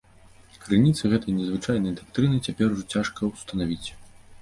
Крыніцы гэтай незвычайнай дактрыны цяпер ужо цяжка ўстанавіць.